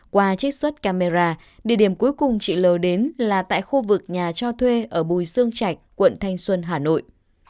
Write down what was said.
qua trích xuất camera địa điểm cuối cùng chị l đến là tại khu vực nhà cho thuê ở bùi sương trạch quận thanh xuân hà nội